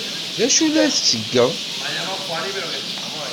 D acu ay la tettgeḍ?